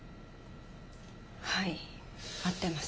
はい合ってます。